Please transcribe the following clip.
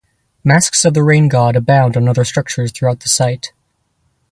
Masks of the rain god abound on other structures throughout the site.